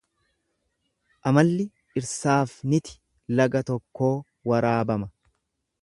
Amalli dhirsaaf niti laga tokkoo waraabama.